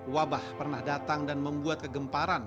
wabah pernah datang dan membuat kegemparan